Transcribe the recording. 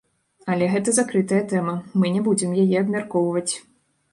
Але гэта закрытая тэма, мы не будзем яе абмяркоўваць.